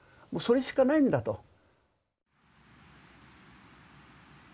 それしかないんだと。